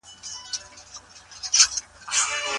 تاسي باید د بل چا دودونو ته په سپکه ونه ګورئ.